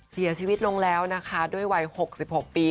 เสียชีวิตลงแล้วนะคะด้วยวัย๖๖ปี